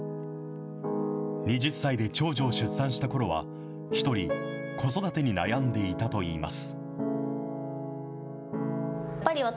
２０歳で長女を出産したころは、一人、子育てに悩んでいたといいます。